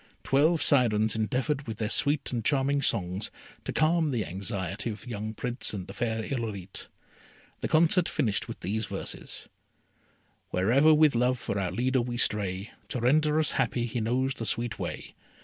Twelve Syrens endeavoured with their sweet and charming songs to calm the anxiety of the young Prince and the fair Irolite. The concert finished with these verses: Wherever with Love for our leader we stray, To render us happy he knows the sweet way.